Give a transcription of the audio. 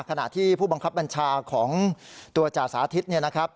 ขณะที่ผู้บังคับบัญชาของตัวจ่าสาธิตเนี่ยนะครับ